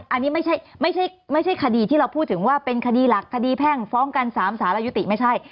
อันนี้ไม่ใช่คดีที่เราพูดถึงว่าเป็นคดีหลักคดีแพ่งฟ้องกัน๓สารยุติไม่ใช่